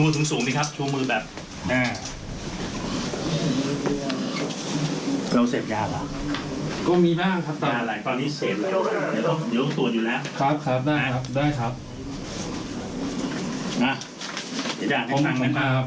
ผู้ต้องหาจะทำลายพยานหลักฐานกับผู้ต้องหา